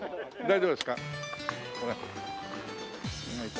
大丈夫ですか？